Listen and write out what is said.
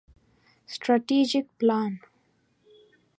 ستراتیژیک پلان